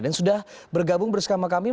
dan sudah bergabung bersama kami